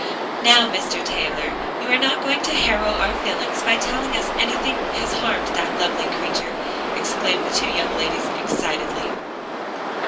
"Now, Mr. Taylor, you are not going to harrow our feelings by telling us anything has harmed that lovely creature," exclaimed the two young ladies excitedly.